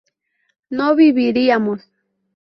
no viviríamos